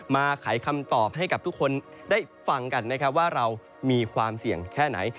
ไขคำตอบให้กับทุกคนได้ฟังกันนะครับว่าเรามีความเสี่ยงแค่ไหน